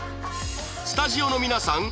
スタジオの皆さん